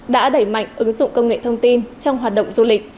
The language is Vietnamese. đã đẩy mạnh ứng dụng công nghệ thông tin trong hoạt động du lịch